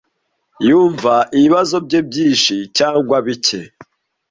Yumva ibibazo bye byinshi cyangwa bike.